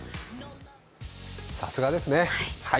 さすがですね。